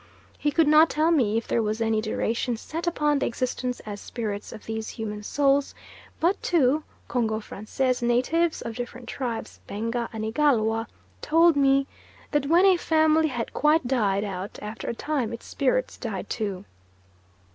He could not tell me if there was any duration set upon the existence as spirits of these human souls, but two Congo Francais natives, of different tribes, Benga and Igalwa, told me that when a family had quite died out, after a time its spirits died too.